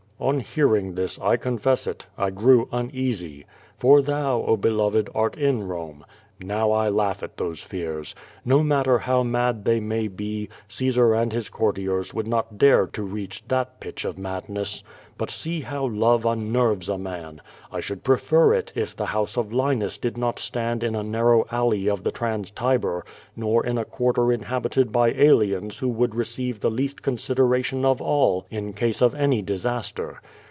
On hearing this, I confess it, I grew uneasy. For thou, oh be loved, art in Rome. Now I laugh at those fears. No matter how mad they may be, Caesar and his courtiers would not dare to reach that pitch of madness. But see how love unnerves a man! I should prefer it if the house of Linus did not stand in a narrow alley of the Trans Tiber, nor in a quarter in habited by aliens who would receive the least consideration of all in case of any disaster.